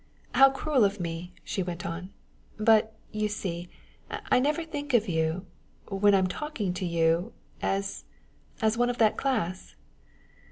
"How cruel of me!" she went on. "But, you see, I never think of you when I am talking to you as as one of that class!"